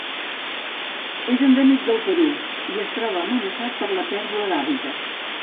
És endèmic del Perú i es troba amenaçat per la pèrdua d'hàbitat.